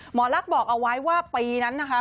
หมอลักษณ์บอกเอาไว้ว่าปีนั้นนะคะ